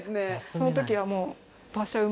その時はもう。